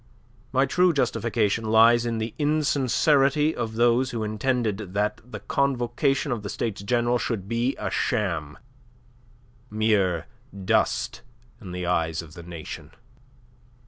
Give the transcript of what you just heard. My true justification lies in the insincerity of those who intended that the convocation of the States General should be a sham, mere dust in the eyes of the nation."